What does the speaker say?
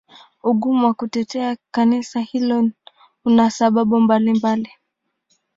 Ugumu wa kutetea Kanisa hilo una sababu mbalimbali.